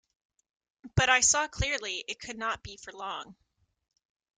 But I saw clearly it could not be for long.